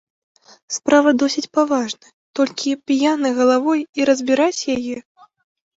Справа досыць паважная, толькі п'янай галавой і разбіраць яе.